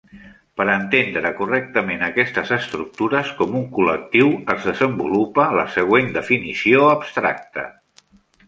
Per entendre correctament aquestes estructures com un col·lectiu, es desenvolupa la següent definició abstracta.